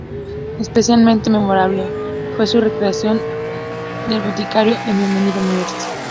Especialmente memorable fue su recreación del boticario en "Bienvenido Mr.